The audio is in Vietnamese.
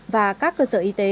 và các cơ sở y tế